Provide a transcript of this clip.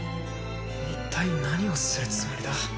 一体何をするつもりだ？